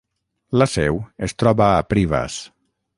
La seu es troba a Privas.